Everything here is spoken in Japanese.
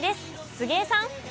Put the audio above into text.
杉江さん。